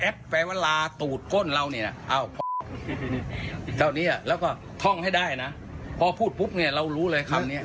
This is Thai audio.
ก็อุปเนี่ยเรารู้เลยครับคำนี้